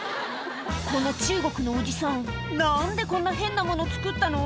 この中国のおじさん何でこんな変なもの作ったの？